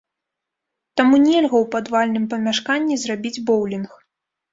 Таму нельга ў падвальным памяшканні зрабіць боўлінг.